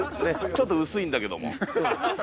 ちょっと薄いんだけども。